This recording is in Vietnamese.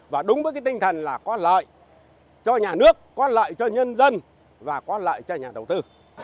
và đúng với cái tinh thần là có lợi cho nhà nước có lợi cho nhân dân và có lợi cho nhà đầu tư